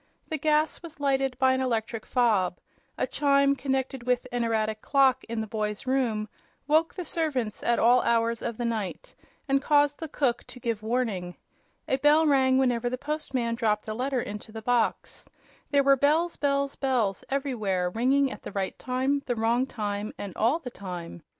The gas was lighted by an electric fob; a chime, connected with an erratic clock in the boy's room, woke the servants at all hours of the night and caused the cook to give warning; a bell rang whenever the postman dropped a letter into the box; there were bells, bells, bells everywhere, ringing at the right time, the wrong time and all the time.